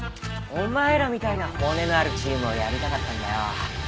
お前らみたいな骨のあるチームをやりたかったんだよ